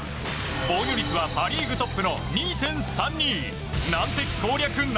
防御率はパ・リーグトップの２．３２。